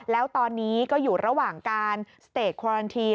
แล้วตอนนี้ก็อยู่ระหว่างการสเตจควารันที